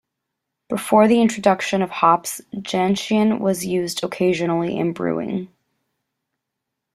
Before the introduction of hops, gentian was used occasionally in brewing.